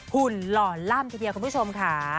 หุ่นหล่อล่ำทีเดียวคุณผู้ชมค่ะ